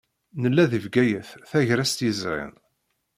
Nella di Bgayet tagrest yezrin.